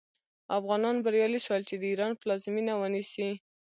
افغانان بریالي شول چې د ایران پلازمینه ونیسي.